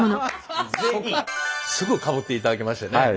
すぐかぶっていただきましてね。